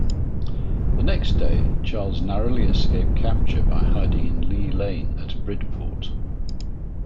The next day, Charles narrowly escaped capture by hiding in Lee Lane at Bridport.